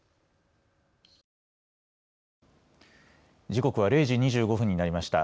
時刻は０時２５分になりました。